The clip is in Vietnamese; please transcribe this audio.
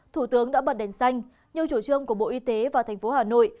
thủ tướng đã bật đèn xanh như chủ trương của bộ y tế và thành phố hà nội